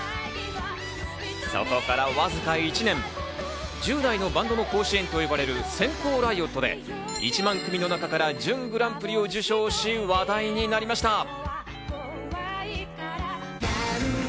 そこからわずか１年、１０代のバンド甲子園と呼ばれる閃光ライオットで１万組の中から準グランプリを受賞し、話題になりました。